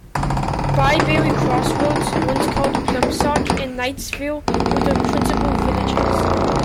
Byberry Crossroads, once called Plumbsock, and Knightsville were the principal villages.